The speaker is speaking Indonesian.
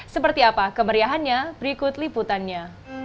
seperti apa kemeriahannya berikut liputannya